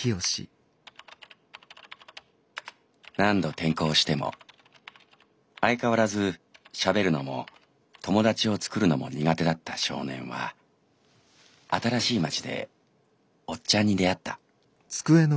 「何度転校しても相変わらずしゃべるのも友達をつくるのも苦手だった少年は新しい町でおっちゃんに出会った」。